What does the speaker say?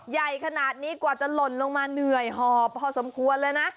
ใหญ่ขนาดนี้กว่าจะหล่นลงมาเหนื่อยหอบพอสมควรเลยนะ